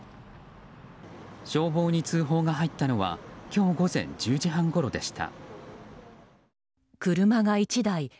消防に通報が入ったのは今日午前１０時半ごろでした。